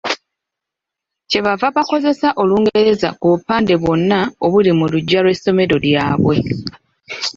Kye bava bakozesa Olungereza ku bupande bwonna obuli mu luggya lw'essomero lyabwe.